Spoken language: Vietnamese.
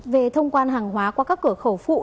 về thông quan hàng hóa qua các cửa khẩu phụ